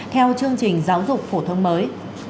theo chương trình giáo dục phổ thông mới